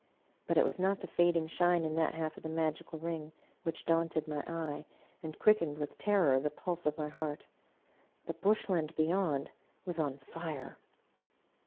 But it was not the fading shine in that half of the magical ring which daunted my eye and quickened with terror the pulse of my heart ; the Bush land beyond was on fire.